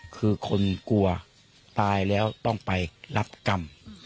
คือคนกลัวตายแล้วต้องไปรับกรรม